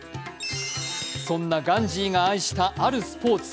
そんなガンジーが愛したあるスポーツ。